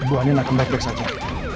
ibu andin akan baik baik saja